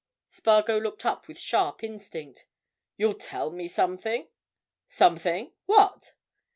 Spargo looked up with sharp instinct. "You'll tell me something? Something? What?"